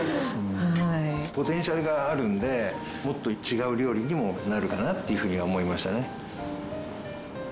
ポテンシャルがあるのでもっと違う料理にもなるかなっていうふうに思いましたね。